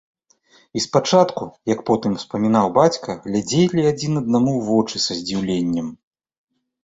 І спачатку, як потым успамінаў бацька, глядзелі адзін аднаму ў вочы са здзіўленнем.